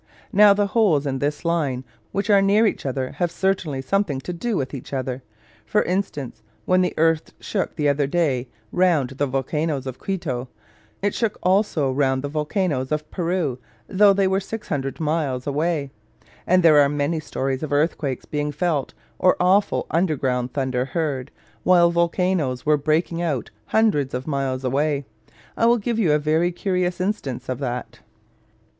Now the holes in this line which are near each other have certainly something to do with each other. For instance, when the earth shook the other day round the volcanos of Quito, it shook also round the volcanos of Peru, though they were 600 miles away. And there are many stories of earthquakes being felt, or awful underground thunder heard, while volcanos were breaking out hundreds of miles away. I will give you a very curious instance of that.